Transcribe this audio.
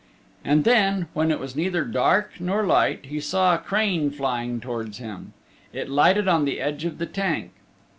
And then, when it was neither dark nor light, he saw a crane flying towards him. It lighted on the edge of the tank.